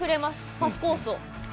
パスコースを。